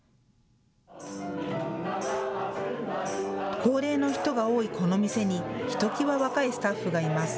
高齢の人が多いこの店にひときわ若いスタッフがいます。